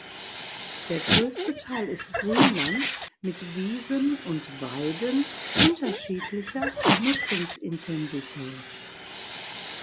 Der größte Teil ist Grünland mit Wiesen und Weiden unterschiedlicher Nutzungsintensität.